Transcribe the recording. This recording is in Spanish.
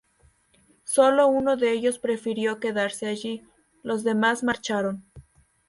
Sólo uno de ellos prefirió quedarse allí, los demás marcharon.